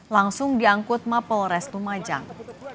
langsung diangkut mapel restu majang